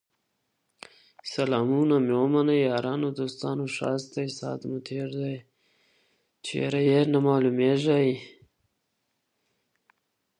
هر تاوان یو درس دی.